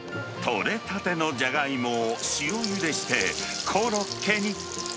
取れたてのじゃがいもを塩ゆでして、コロッケに。